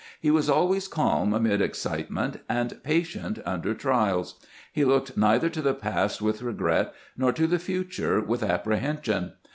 He was always calm amid excitement, and patient under trials. He looked neither to the past with regret nor to the future with apprehension.